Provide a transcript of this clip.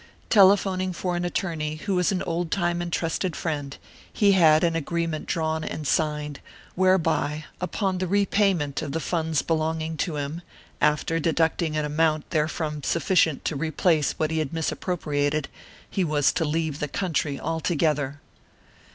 Telephoning for an attorney who was an old time and trusted friend, he had an agreement drawn and signed, whereby, upon the repayment of the funds belonging to him, after deducting an amount therefrom sufficient to replace what he had misappropriated, he was to leave the country altogether.